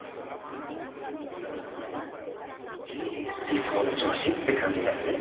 理想の上司って感じだよね。